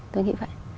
tôi nghĩ vậy